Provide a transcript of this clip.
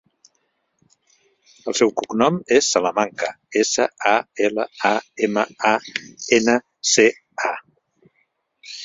El seu cognom és Salamanca: essa, a, ela, a, ema, a, ena, ce, a.